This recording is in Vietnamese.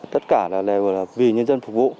tất cả là vì nhân dân phục vụ